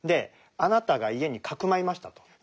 あなたが家にかくまいましたと。